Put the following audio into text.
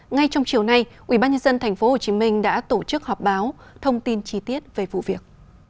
ngay trong chiều nay ubnd tp hcm đã tổ chức họp báo thông tin chi tiết về vụ việc